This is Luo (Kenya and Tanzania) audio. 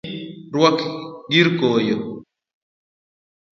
Nyathini ruak girkoyo.